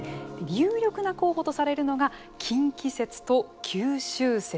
有力な候補とされるのが近畿説と九州説。